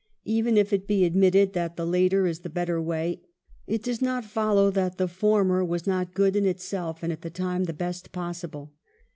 Even if it be admitted that the later is the better way, it does not follow that the former was not good in itself and at the time the best possible.